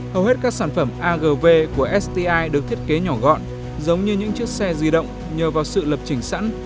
hầu hết các sản phẩm agv của sti được thiết kế nhỏ gọn giống như những chiếc xe di động nhờ vào sự lập trình sẵn